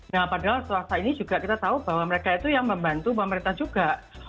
nah padahal swasta ini juga kita tahu bahwa mereka itu yang membantu pemerintah juga